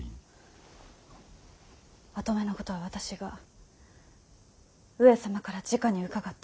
跡目のことは私が上様からじかに伺っておる。